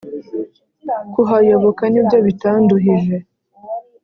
kuhayoboka nibyo bitanduhije,